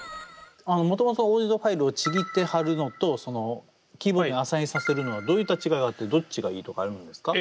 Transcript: もともとオーディオファイルをちぎって貼るのとキーボードにアサインさせるのはどういった違いがあってどっちがいいとかあるんですか？